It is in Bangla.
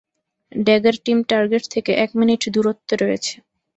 ড্যাগার টিম টার্গেট থেকে এক মিনিট দূরত্বে রয়েছে।